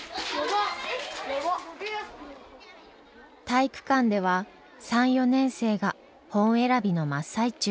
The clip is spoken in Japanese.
体育館では３４年生が本選びの真っ最中。